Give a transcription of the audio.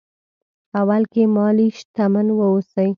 اول کې مالي شتمن واوسي.